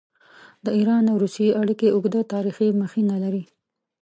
د ایران او روسیې اړیکې اوږده تاریخي مخینه لري.